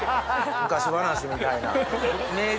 昔話みたいな。